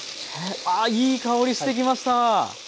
あいい香りしてきました。